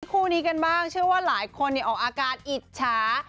คู่นี้กันบ้างเชื่อว่าหลายคนออกอาการอิจฉา